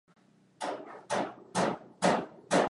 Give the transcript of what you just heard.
maambukizi ya ugonjwa wa malale kupitia kwa mbungo